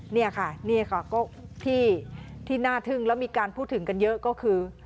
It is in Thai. นี่ค่ะนี่ค่ะก็ที่น่าทึ่งแล้วมีการพูดถึงกันเยอะก็คือ